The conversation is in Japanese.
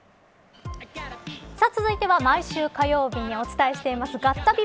続いては、毎週火曜日にお伝えしていますガッタビ！！